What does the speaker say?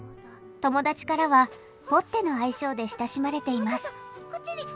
友達からは「ぽって」の愛称で親しまれています。